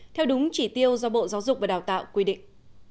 theo đúng chỉ tiêu do bộ giáo dục và đào tạo quy định